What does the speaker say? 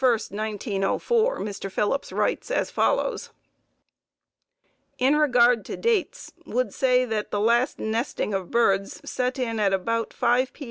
1, 1904, Mr. Phillips writes as follows: "In regard to dates, would say that the last nesting of birds set in at about 5 P.